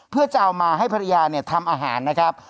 เพื่อจะเอามาให้ภรรยาทำอาหารนะครับ